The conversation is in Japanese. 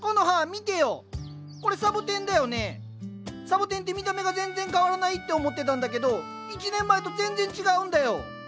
サボテンって見た目が全然変わらないって思ってたんだけど１年前と全然違うんだよ。